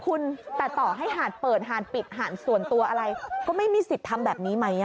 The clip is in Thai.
คุณแต่ต่อให้หาดเปิดหานปิดหาดส่วนตัวอะไรก็ไม่มีสิทธิ์ทำแบบนี้ไหม